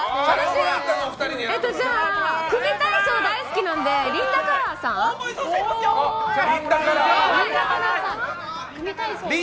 じゃあ、組体操大好きなのでリンダカラーさん。